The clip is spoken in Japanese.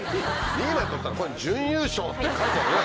２位まで取ったらここに「準優勝」って書いたらね。